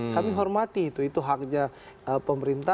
kami hormati itu haknya pemerintah